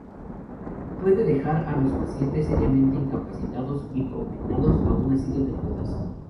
Puede dejar a los pacientes seriamente incapacitados y confinados a una silla de ruedas.